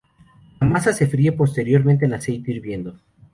La masa se fríe posteriormente en aceite hirviendo.